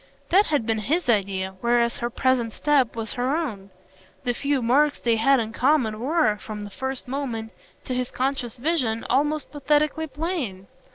That had been HIS idea, whereas her present step was her own; the few marks they had in common were, from the first moment, to his conscious vision, almost pathetically plain.